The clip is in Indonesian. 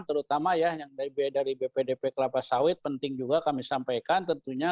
terutama ya yang dari bpdp kelapa sawit penting juga kami sampaikan tentunya